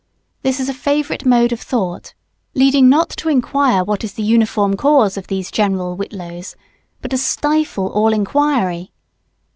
This is a favourite mode of thought leading not to inquire what is the uniform cause of these general "whitlows," but to stifle all inquiry.